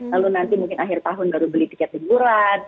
lalu nanti mungkin akhir tahun baru beli tiket liburan